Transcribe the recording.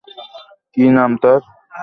কী নাম তার?